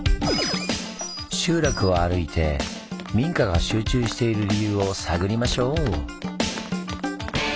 集落を歩いて民家が集中している理由を探りましょう！